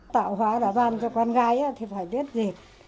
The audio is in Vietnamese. tạo hóa đã ban cho con gái thì phải viết dệt